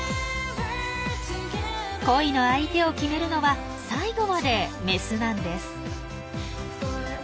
恋の相手を決めるのは最後までメスなんです。